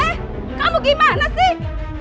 eh kamu gimana sih